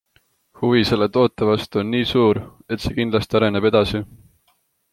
Huvi selle toote vastu on nii suur, et see kindlasti areneb edasi.